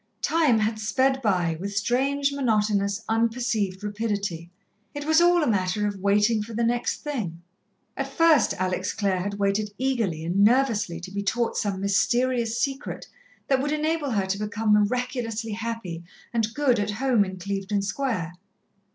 Time had sped by, with strange, monotonous, unperceived rapidity. It was all a matter of waiting for the next thing. At first, Alex Clare had waited eagerly and nervously to be taught some mysterious secret that would enable her to become miraculously happy and good at home in Clevedon Square.